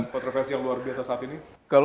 kontroversi yang luar biasa saat ini